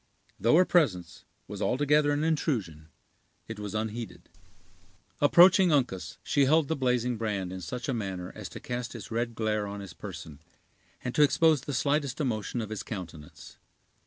Though her presence was altogether an intrusion, it was unheeded. Approaching Uncas, she held the blazing brand in such a manner as to cast its red glare on his person, and to expose the slightest emotion of his countenance.